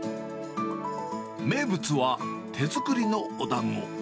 名物は手作りのおだんご。